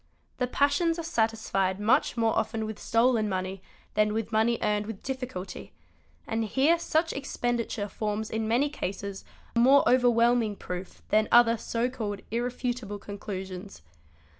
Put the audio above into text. The passions are satisfied much more often with stolen money than with money earned with difficulty, and here such expenditure forms in many cases more overwhelming proof than other so called irrefutable conclusions.